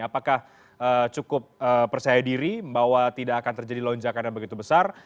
apakah cukup percaya diri bahwa tidak akan terjadi lonjakan yang begitu besar